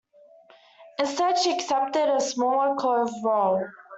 Instead, she accepted a smaller, clothed role.